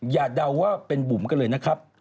เดาว่าเป็นบุ๋มกันเลยนะครับ